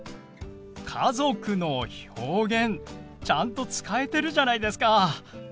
家族の表現ちゃんと使えてるじゃないですか！